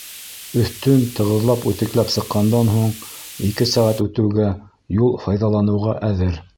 Өҫтөн тығыҙлап-үтекләп сыҡҡандан һуң ике сәғәт үтеүгә юл файҙаланыуға әҙер.